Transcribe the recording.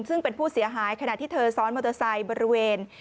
ซึ่งเป็นผู้เสียหายขณะที่เธอซ้อนมอเตอร์ไซค์บริเวณ